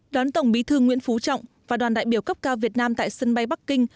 đón tổng bí thư nguyễn phú trọng và đoàn đại biểu cấp cao việt nam tại sân bay bắc kinh